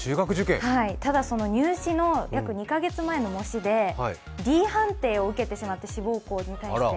ただ、その入試の約２か月前の模試でＤ判定を受けてしまって、志望校に対して。